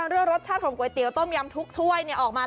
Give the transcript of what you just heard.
ด้วยรสชาติของก๋วยเตี๋ยวต้มยำทุกถ้วยนี่ออกมา